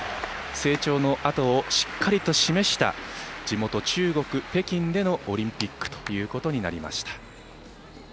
成長のあとをしっかりと示した地元・中国北京でのオリンピックとなりました。